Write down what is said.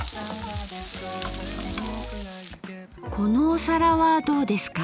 このお皿はどうですか？